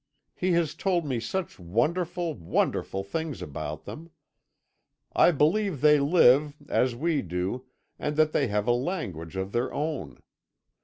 He has told me such wonderful, wonderful things about them! I believe they live, as we do, and that they have a language of their own.